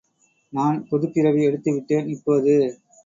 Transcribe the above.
நான் புதுப்பிறவி எடுத்துவிட்டேன், இப்போது!...